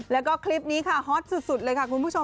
แล้วก็คลิปนี้ค่ะฮอตสุดเลยค่ะคุณผู้ชม